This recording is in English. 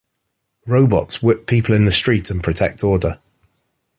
Robots whip people in the street and protect order.